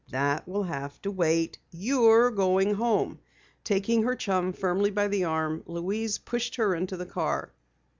"That will have to wait. You're going home!" Taking her chum firmly by the arm, Louise pushed her into the car.